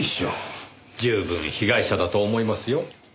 十分被害者だと思いますよ。